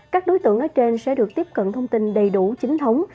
các đối tượng ở trên sẽ được tiếp cận thông tin đầy đủ chính thống